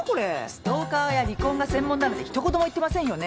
ストーカーや離婚が専門だなんてひと言も言ってませんよね？